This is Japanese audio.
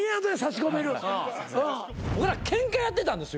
僕らケンカやってたんですよ。